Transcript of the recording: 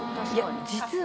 実は。